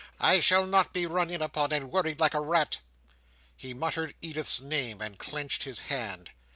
I shall not be run in upon and worried like a rat." He muttered Edith's name, and clenched his hand.